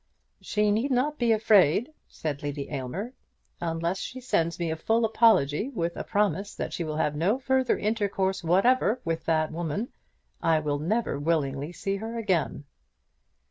"She need not be afraid," said Lady Aylmer. "Unless she sends me a full apology, with a promise that she will have no further intercourse whatever with that woman, I will never willingly see her again."